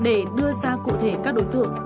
để đưa ra cụ thể các đối tượng